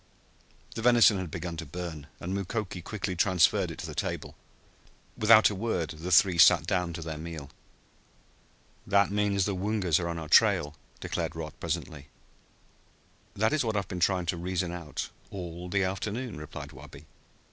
The venison had begun to burn, and Mukoki quickly transferred it to the table. Without a word the three sat down to their meal. "That means the Woongas are on our trail," declared Rod presently. "That is what I have been trying to reason out all the afternoon," replied Wabi.